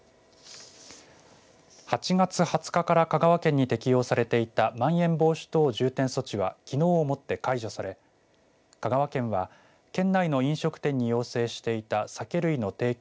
８月２０日から香川県に適用されていたまん延防止等重点措置はきのうをもって解除され香川県は県内の飲食店に要請していた酒類の提供